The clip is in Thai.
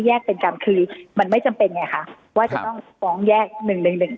เป็นการคือมันไม่จำเป็นไงคะว่าจะต้องฟ้องแยกหนึ่งหนึ่งหนึ่ง